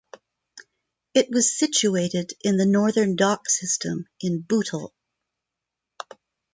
It was situated in the northern dock system in Bootle.